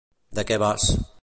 De què vas.